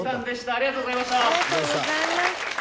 ありがとうございます。